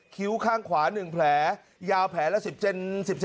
คิ้วข้างขวา๑แผลยาวแผลละ๑๐เซน๑๗